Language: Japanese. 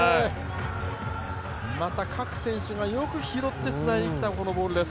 また各選手がよく拾ってつないできたこのボールです。